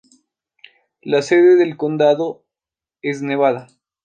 La sede del condado es Nevada.